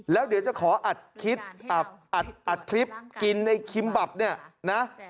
แล้วเดี๋ยวจะขออัดคลิปกินไอ้คิมบับนี่นะ